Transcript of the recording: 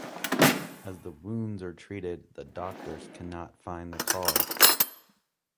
As the wounds are treated, the doctors cannot find the cause.